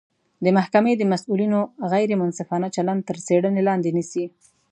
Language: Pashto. د محکمې د مسوولینو غیر منصفانه چلند تر څیړنې لاندې نیسي